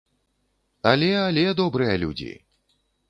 Але, але, добрыя людзі!